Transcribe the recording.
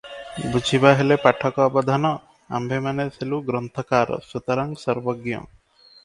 ବୁଝିବା ହେଲେ ପାଠକ ଅବଧାନ! ଆମ୍ଭେମାନେ ହେଲୁ ଗ୍ରନ୍ଥକାର, ସୁତରାଂ ସର୍ବଜ୍ଞ ।